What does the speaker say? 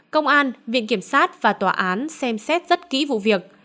công an viện kiểm sát và tòa án xem xét rất kỹ vụ việc